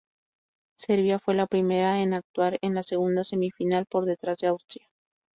Serbia fue la primera en actuar en la segunda semifinal por detrás de Austria.